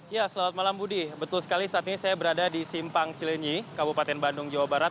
ya selamat malam budi betul sekali saat ini saya berada di simpang cilenyi kabupaten bandung jawa barat